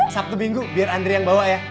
sabtu minggu biar andre yang bawa ya